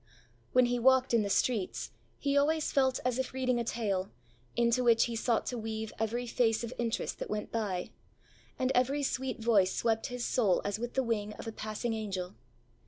When he walked in the streets, he always felt as if reading a tale, into which he sought to weave every face of interest that went by; and every sweet voice swept his soul as with the wing of a passing angel.